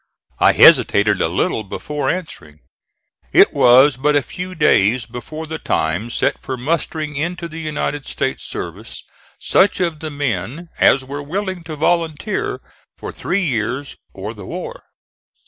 I hesitated a little before answering. It was but a few days before the time set for mustering into the United States service such of the men as were willing to volunteer for three years or the war.